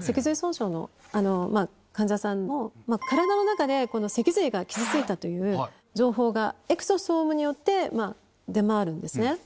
脊髄損傷の患者さんも、体の中で、この脊髄が傷ついたという情報がエクソソームによって、出回るんですね。